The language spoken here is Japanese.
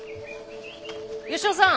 吉雄さん。